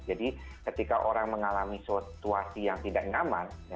jadi ketika orang mengalami situasi yang tidak nyaman